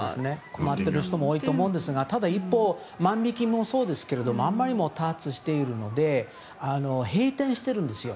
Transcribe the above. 困ってる人も多いと思うんですが一方、万引きもそうですがあまりにも多発しているので閉店しているんですよ